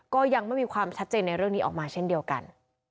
ก็ยังไม่มีความชัดเจนในเรื่องนี้ออกมาเช่นเดียวกัน